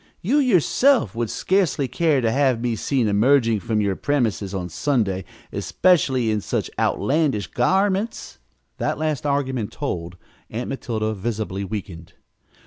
You, yourself, would scarcely care to have me seen emerging from your premises, on Sunday especially, in such outlandish garments." That last argument told. Aunt Matilda visibly weakened.